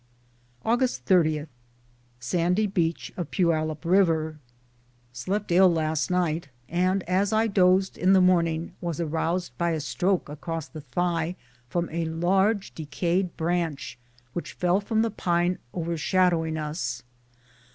Aug. 30. Sandy beach of Poyallipa River. Slept MOUNT RAINIER ill last night, and as I dozed in the morning was aroused by a stroke across the thigh from a large de cayed branch which fell from the pyie overshadowing us.